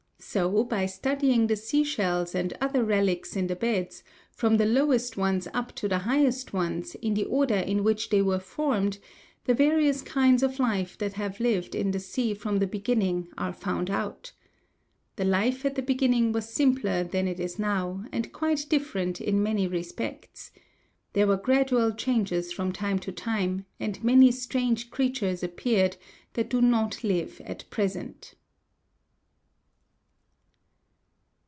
So, by studying the sea shells and other relics in the beds, from the lowest ones up to the highest ones in the order in which they were formed, the various kinds of life that have lived in the sea from the beginning are found out. The life at the beginning was simpler than it is now, and quite different in many respects. There were gradual changes from time to time, and many strange creatures appeared that do not live at present.